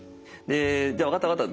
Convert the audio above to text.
「じゃあ分かった分かった。